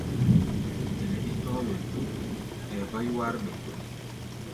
Ɛnɛ é tɔ̧́ɔ̧́ wen dúk, ɛɛ bá yúwár ɓɛɛ́.